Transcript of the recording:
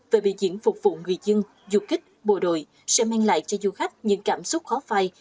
về biểu diễn phục vụ người dân du kích bộ đội sẽ mang lại cho du khách những cảm xúc khó phai